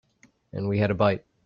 And we had a bite.